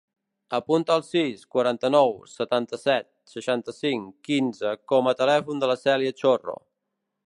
Apunta el sis, quaranta-nou, setanta-set, seixanta-cinc, quinze com a telèfon de la Cèlia Chorro.